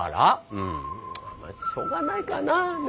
うん。まあしょうがないかな。ね。